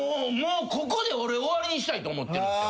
もうここで俺終わりにしたいと思ってる。